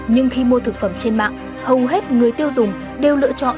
nhưng khi mua thực phẩm trên mạng hầu hết người tiêu dùng đều lựa chọn